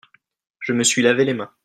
je me suis lavé les mains.